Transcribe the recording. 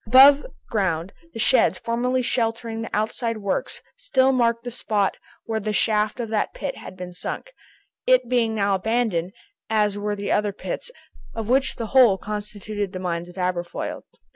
Above ground, the sheds, formerly sheltering the outside works, still marked the spot where the shaft of that pit had been sunk, it being now abandoned, as were the other pits, of which the whole constituted the mines of Aberfoyle.